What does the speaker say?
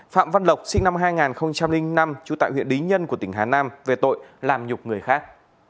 phạm văn lộc sinh năm hai nghìn năm trú tại huyện lý nhân của tỉnh hà nam về tội làm nhục người khác